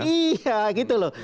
iya gitu loh